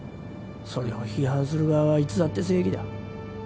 それを批判する側はいつだって正義だ。